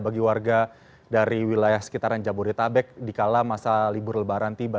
bagi warga dari wilayah sekitaran jabodetabek dikala masa libur lebaran tiba